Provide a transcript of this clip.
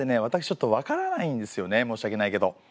私ちょっとわからないんですよねえ申し訳ないけど。